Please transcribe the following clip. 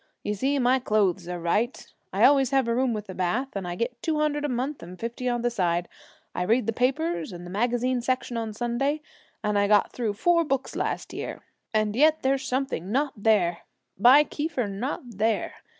You see, my clothes are right, I always have a room with bath, and I get two hundred a month and fifty on the side. I read the papers and the magazine section on Sunday and I got through four books last year. And yet there's something not there by Keefer, not there!